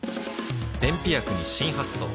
便秘薬に新発想